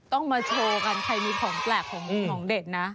ต้องมาโชว์กันใครมีของแปลกของเด็ดนะ